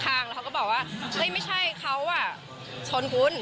แล้วเขาก็บอกว่านี่ไม่ใช่เขาชนคุณ